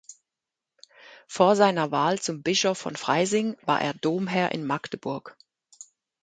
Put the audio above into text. Vor seiner Wahl zum Bischof von Freising war er Domherr in Magdeburg.